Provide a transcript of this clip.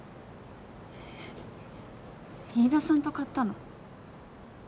えっ飯田さんと買ったの？